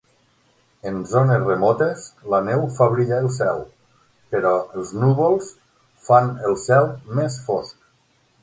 En zones remotes la neu fa brillar el cel, però els núvols fan el cel més fosc.